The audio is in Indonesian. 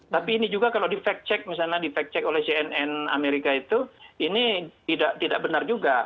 tapi ini juga kalau di fact check misalnya di fact check oleh cnn amerika itu ini tidak benar juga